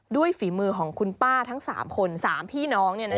ด้วยฝีมือของคุณป้าทั้ง๓คน๓พี่น้องเนี่ย